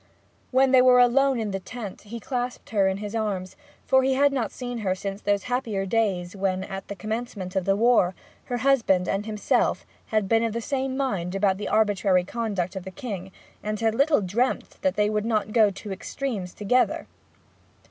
When they were alone in the tent he clasped her in his arms, for he had not seen her since those happier days when, at the commencement of the war, her husband and himself had been of the same mind about the arbitrary conduct of the King, and had little dreamt that they would not go to extremes together.